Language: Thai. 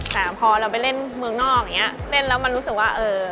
แต่พอเราไปเล่นเมืองนอกเล่นแล้วมันรู้สึกว่า